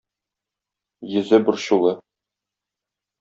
Йөзе борчулы.